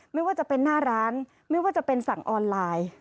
ไม่ว่าจะเป็นหน้าร้านไม่ว่าจะเป็นสั่งออนไลน์